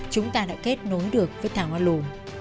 chúng ta đã kết nối được với thảo hoan lũ